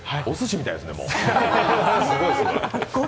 おすしみたいですね。